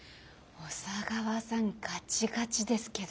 小佐川さんガチガチですけど。